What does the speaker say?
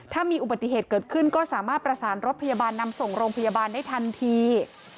ถ้ามีอุบัติเหตุเกิดขึ้นก็สามารถประสานรถพยาบาลนำส่งโรงพยาบาลได้ทันที